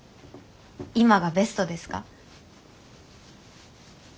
今がベストですか？